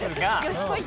よしこい！